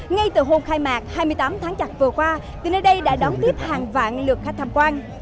ngay từ hôm khai mạc hai mươi tám tháng chạp vừa qua thì nơi đây đã đón tiếp hàng vạn lượt khách tham quan